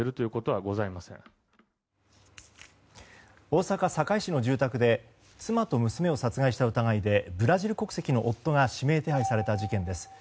大阪府堺市の住宅で妻と娘を殺害した疑いでブラジル国籍の夫が指名手配された事件です。